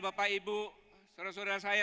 bapak ibu saudara saudara saya